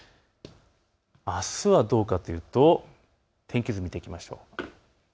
あすはどうかというと天気図を見ていきましょう。